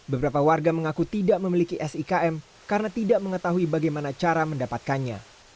beberapa warga mengaku tidak memiliki sikm karena tidak mengetahui bagaimana cara mendapatkannya